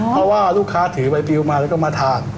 เพราะว่าลูกค้าถือใบปิวมาแล้วก็มาทาน